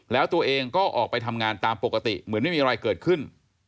แล้วตัวเองก็ออกไปทำงานตามปกติเหมือนไม่มีอะไรเกิดขึ้น